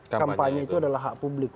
kampanye itu adalah hak publik